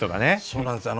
そうなんですよ。